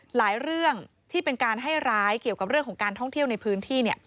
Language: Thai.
เรื่องที่เป็นการให้ร้ายเกี่ยวกับเรื่องของการท่องเที่ยวในพื้นที่